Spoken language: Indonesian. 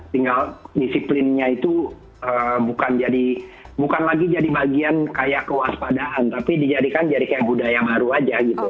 tinggal disiplinnya itu bukan lagi jadi bagian kayak kewaspadaan tapi dijadikan jadi kayak budaya baru aja gitu